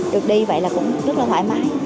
được đi vậy là cũng rất là thoải mái